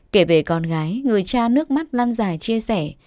kể về con gái người cha nước mắt lăn dài chia sẻ